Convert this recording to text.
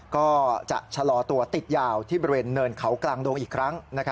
ก็จะชะลอตัวติดยาวที่บริเวณเนินเขากลางดงอีกครั้ง